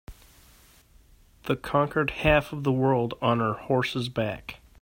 The conquered half of the world on her horse's back.